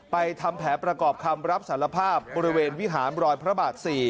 ทำแผนประกอบคำรับสารภาพบริเวณวิหารรอยพระบาท๔